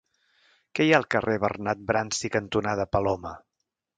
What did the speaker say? Què hi ha al carrer Bernat Bransi cantonada Paloma?